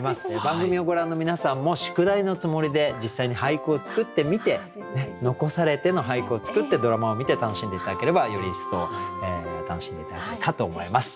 番組をご覧の皆さんも宿題のつもりで実際に俳句を作ってみて「遺されて」の俳句を作ってドラマを見て楽しんで頂ければより一層楽しんで頂けるかと思います。